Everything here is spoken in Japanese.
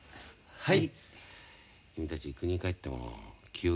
はい。